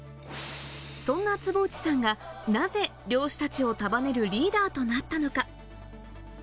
そんな坪内さんがなぜ漁師たちを束ねるリーダーとなったのか？